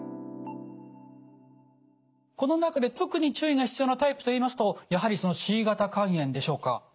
この中で特に注意が必要なタイプといいますとやはりそのＣ型肝炎でしょうか？